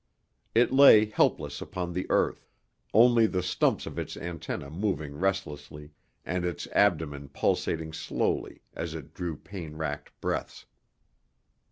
It lay helpless upon the earth, only the stumps of its antennae moving restlessly, and its abdomen pulsating slowly as it drew pain racked breaths.